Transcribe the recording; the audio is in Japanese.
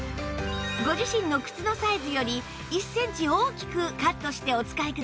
ご自身の靴のサイズより１センチ大きくカットしてお使いください